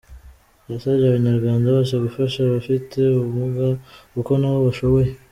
Yasabye Abanyarwanda bose gufasha abafite ubumuga kuko nabo bashoboye.